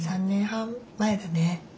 ３年半前だね。